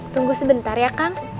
tunggu sebentar ya kang